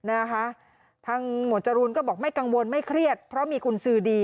นะคะทางหมวดจรูนก็บอกไม่กังวลไม่เครียดเพราะมีกุญสือดี